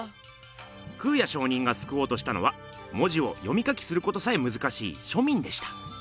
空也上人がすくおうとしたのは文字を読み書きすることさえむずかしい庶民でした。